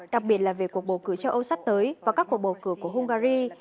đặc biệt là về cuộc bầu cử châu âu sắp tới và các cuộc bầu cử của hungary